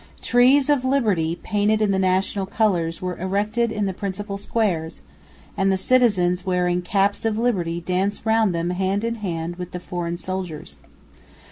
"Trees of Liberty," painted in the national colours, were erected in the principal squares; and the citizens, wearing "caps of liberty" danced round them hand in hand with the foreign soldiers.